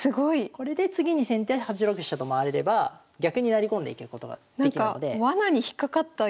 これで次に先手８六飛車と回れれば逆に成り込んでいけることができるので。